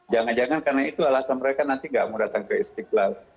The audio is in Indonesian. jangan jangan karena itu alasan mereka nanti tidak mau datang ke istiqlal